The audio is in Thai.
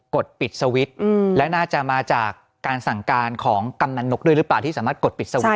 ดปิดสวิตช์และน่าจะมาจากการสั่งการของกำนันนกด้วยหรือเปล่าที่สามารถกดปิดสวิตช